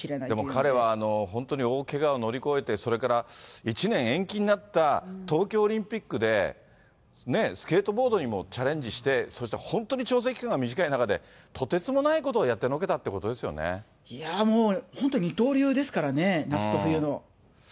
でも彼は本当に大けがを乗り越えて、それから１年延期になった東京オリンピックで、スケートボードにもチャレンジして、そして本当に調整期間が短い中で、とてつもないことをやってのけたいや、もう本当に二刀流ですからね、夏と冬の。